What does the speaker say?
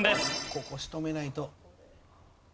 ここ仕留めないと。